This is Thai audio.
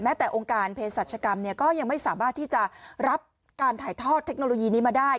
แต่องค์การเพศรัชกรรมก็ยังไม่สามารถที่จะรับการถ่ายทอดเทคโนโลยีนี้มาได้